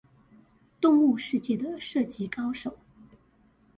動物世界的射擊高手